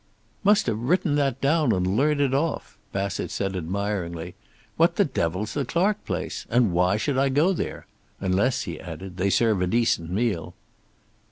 "Must have written that down and learned it off," Bassett said admiringly. "What the devil's the Clark place? And why should I go there? Unless," he added, "they serve a decent meal."